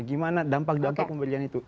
gimana dampak dampak pemberian itu